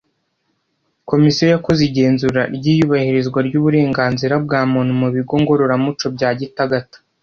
Komisiyo yakoze igenzura ry’ iyubahirizwa ry’ uburenganzira bwa Muntu mu bigo ngororamuco bya Gitagata.